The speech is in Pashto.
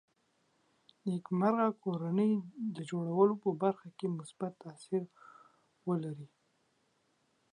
نېکمرغه کورنۍ د جوړولو په برخه کې مثبت تاثیر ولري